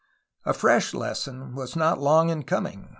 A fresh lesson was not long in coming.